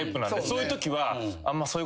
そういうときは。